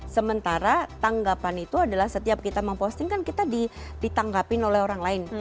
sementara tanggapan itu adalah setiap kita memposting kan kita ditanggapin oleh orang lain